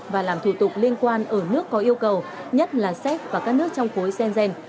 và làm thủ tục liên quan ở nước có yêu cầu nhất là séc và các nước trong khối sen